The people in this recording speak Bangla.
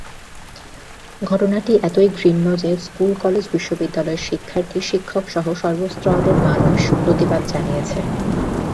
ঘটনাটি এতই ঘৃণ্য যে স্কুলকলেজবিশ্ববিদ্যালয়ের শিক্ষার্থী, শিক্ষকসহ সর্বস্তরের মানুষ প্রতিবাদ জানিয়েছেন।